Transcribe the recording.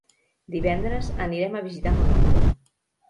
Divendres anirem a visitar mon oncle.